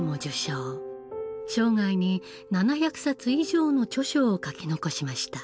生涯に７００冊以上の著書を書き残しました。